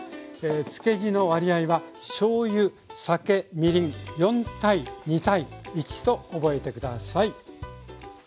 漬け地の割合はしょうゆ酒みりん４：２：１と覚えて下さい。